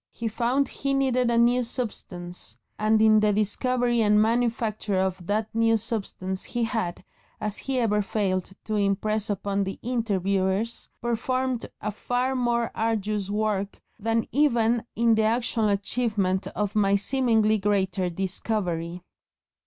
He found he needed a new substance, and in the discovery and manufacture of that new substance he had, as he never failed to impress upon the interviewers, "performed a far more arduous work than even in the actual achievement of my seemingly greater discovery."